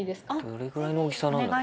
どれぐらいの大きさなんだろ？